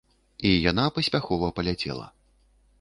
І яна паспяхова паляцела!